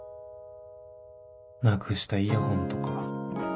なくしたイヤホンとか